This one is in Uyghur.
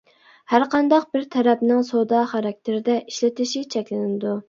ھەر قانداق بىر تەرەپنىڭ سودا خاراكتېرىدە ئىشلىتىشى چەكلىنىدۇ.